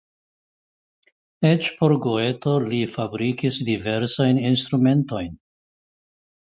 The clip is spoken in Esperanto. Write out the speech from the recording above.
Eĉ por Goeto li fabrikis diversajn instrumentojn.